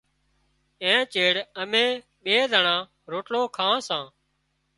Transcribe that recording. اين چيڙ امين ٻي زنڻان روٽلو کان سان۔